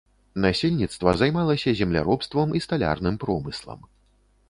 Насельніцтва займалася земляробствам і сталярным промыслам.